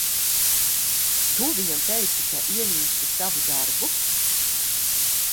Tu viņam teici, ka ienīsti savu darbu?